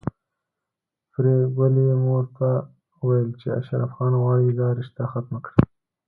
پري ګلې مور ته ويل چې اشرف خان غواړي دا رشته ختمه کړي